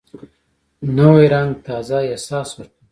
نوی رنګ تازه احساس ورکوي